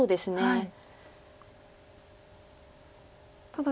はい。